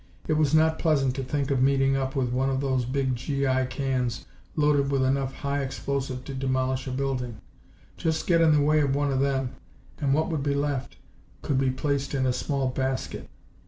It was not pleasant to think of meeting up with one of those big G.I. cans loaded with enough high explosive to demolish a building. Just get in the way of one of them and what would be left could be placed in a small basket.